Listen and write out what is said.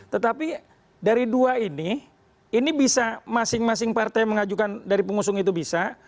tetapi dari dua ini ini bisa masing masing partai mengajukan dari pengusung itu bisa